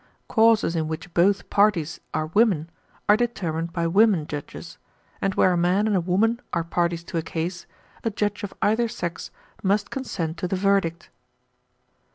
Causes in which both parties are women are determined by women judges, and where a man and a woman are parties to a case, a judge of either sex must consent to the verdict."